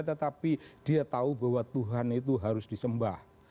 tetapi dia tahu bahwa tuhan itu harus disembah